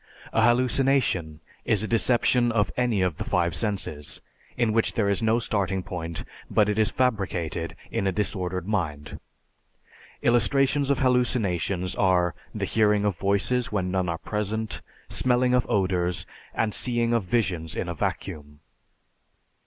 A hallucination is a deception of any of the five senses, in which there is no starting point but it is fabricated in a disordered mind. Illustrations of hallucinations are the hearing of voices when none are present, smelling of odors, the seeing of visions in a vacuum.